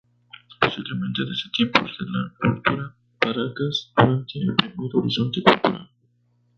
Posiblemente desde tiempos de la cultura Paracas durante el primer horizonte cultural.